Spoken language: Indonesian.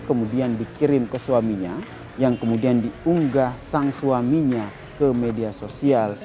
kemudian dikirim ke suaminya yang kemudian diunggah sang suaminya ke media sosial